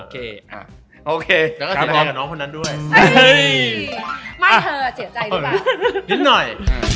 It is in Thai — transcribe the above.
ก็เสียใจกับน้องคนนั้นด้วย